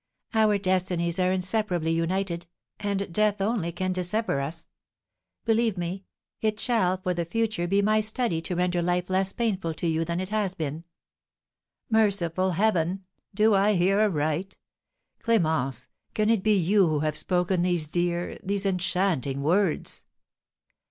"Our destinies are inseparably united, and death only can dissever us. Believe me, it shall for the future be my study to render life less painful to you than it has been." "Merciful Heaven! Do I hear aright? Clémence, can it be you who have spoken these dear, these enchanting words?"